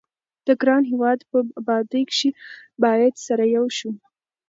د ګران هيواد دي ابادي لپاره بايد سره يو شو